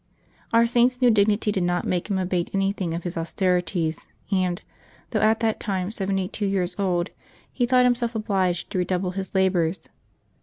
Our Saint's new dignity did not make him abate anything of his austerities, and, though at that time seventy two years old, he thought himself obliged to redouble his la bors.